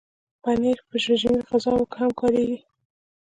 پنېر په رژیمي غذاوو کې هم کارېږي.